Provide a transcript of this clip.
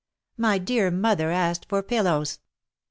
My dear mother asked for pillows."